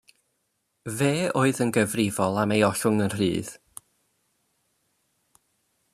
Fe oedd yn gyfrifol am ei ollwng yn rhydd.